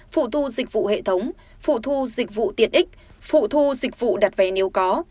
phụ thu dịch vụ hệ thống phụ thu dịch vụ tiện ích phụ thu dịch vụ đặt vé nếu có